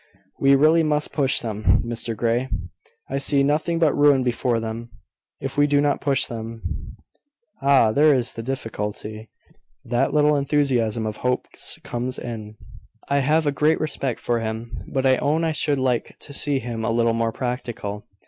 We really must push them, Mr Grey. I see nothing but ruin before them, if we do not push them." "Ah! there is the difficulty: that is where that little enthusiasm of Hope's comes in. I have a great respect for him; but I own I should like to see him a little more practical."